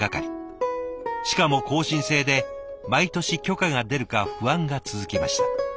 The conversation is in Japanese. しかも更新制で毎年許可が出るか不安が続きました。